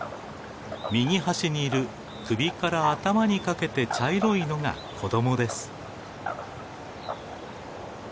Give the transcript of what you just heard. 右端にいる首から頭にかけて茶色いのが子供です。